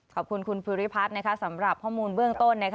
ขอบคุณคุณภูริพัฒน์สำหรับข้อมูลเบื้องต้น